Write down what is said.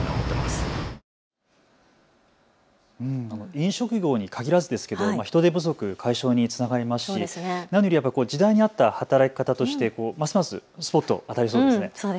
飲食業に限らずですけど人手不足解消につながりますし何より時代に合った働き方としてますますスポット、当たりそうですね。